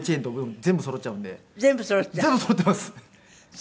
全部そろってます。